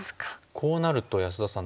こうなると安田さん